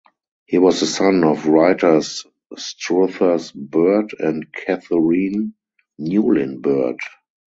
He was the son of writers Struthers Burt and Katharine Newlin Burt.